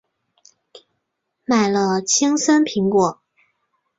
买了青森苹果